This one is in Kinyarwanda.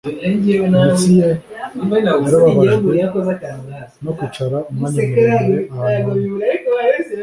Imitsi ye yarababajwe no kwicara umwanya muremure ahantu hamwe